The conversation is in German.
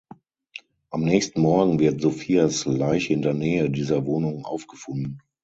Am nächsten Morgen wird Sophias Leiche in der Nähe dieser Wohnung aufgefunden.